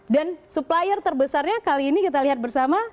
dan supplier terbesarnya kali ini kita lihat bersama